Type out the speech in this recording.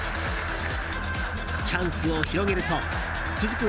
チャンスを広げると続く